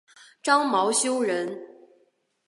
张懋修人。